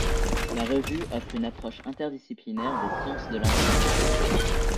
La revue offre une approche interdisciplinaire des sciences de l'environnement.